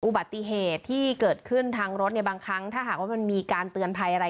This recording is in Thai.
อุบัติเหตุที่เกิดขึ้นทางรถเนี่ยบางครั้งถ้าหากว่ามันมีการเตือนภัยอะไร